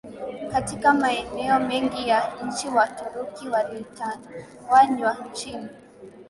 katika maeneo mengine ya nchi Waturuki walitawanywa nchini